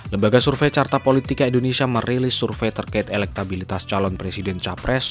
lembaga survei carta politika indonesia merilis survei terkait elektabilitas calon presiden capres